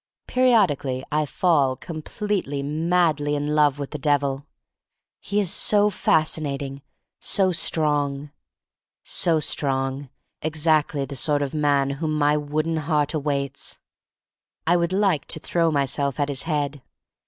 Periodically I fall completely, madly in love with the Devil. He is so fasci nating, so strong — so strong, exactly the sort of man whom my wooden heart awaits. I would like to throw myself at his head.